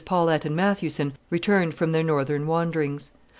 Paulette and Mathewson returned from their northern wanderings.